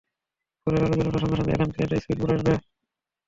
ভোরের আলো জ্বলে ওঠার সঙ্গে সঙ্গেই ওখানে একটা স্পিড বোট আসবে।